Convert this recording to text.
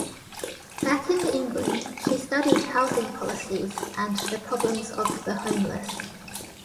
Back in England, she studied housing policies and the problems of the homeless.